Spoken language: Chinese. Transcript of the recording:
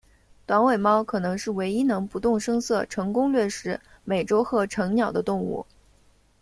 短尾猫可能是唯一能不动声色成功掠食美洲鹤成鸟的动物。